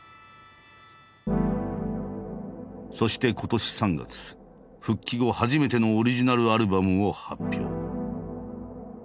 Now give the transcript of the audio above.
そして今年３月復帰後初めてのオリジナルアルバムを発表。